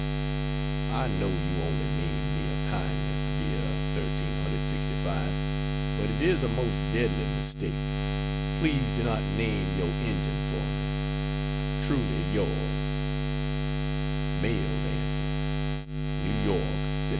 I know you only mean me a kindness, dear 1365, but it is a most deadly mistake. Please do not name your Injun for me. Truly Yours. Mailed Answer: NEW YORK, Sept.